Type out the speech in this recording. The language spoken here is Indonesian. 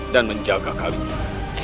dan menjaga kalinya